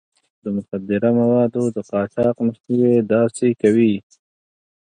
د مخدره موادو د قاچاق مخنيوی داسې کوي.